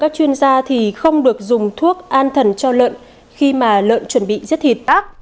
các chuyên gia không được dùng thuốc an thần cho lợn khi lợn chuẩn bị giết thịt